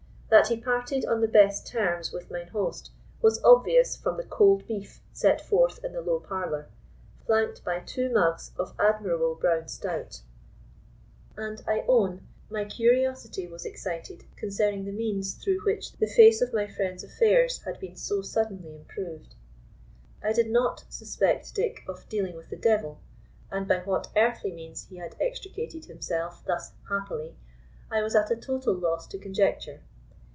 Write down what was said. That he parted on the best terms with mine host was obvious from the cold beef set forth in the low parlour, flanked by two mugs of admirable brown stout; and I own my curiosity was excited concerning the means through which the face of my friend's affairs had been so suddenly improved. I did not suspect Dick of dealing with the devil, and by what earthly means he had extricated himself thus happily I was at a total loss to conjecture.